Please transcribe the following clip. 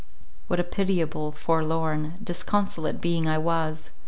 What a pitiable, forlorn, disconsolate being I was!